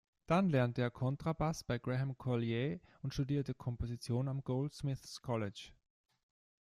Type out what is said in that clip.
Dann lernte er Kontrabass bei Graham Collier und studierte Komposition am Goldsmiths College.